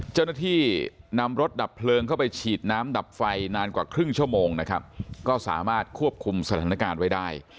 เจ้าหน้าที่นำรถดับเพลิงเข้าไปฉีดน้ำดับไฟนานกว่าครึ่งชั่วโมงนะครับก็สามารถควบคุมสถานการณ์ไว้ได้